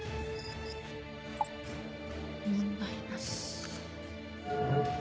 問題なし。